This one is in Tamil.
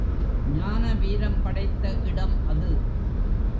ஞான வீரம் படைத்த இடம் அது.